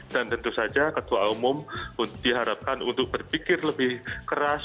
dan tentu saja ketua umum diharapkan untuk berpikir lebih keras